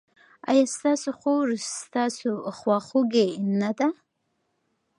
ایا ستاسو خور ستاسو خواخوږې نه ده؟